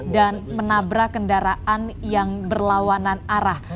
dan menabrak kendaraan yang berlawanan arah